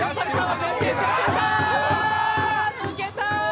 抜けた！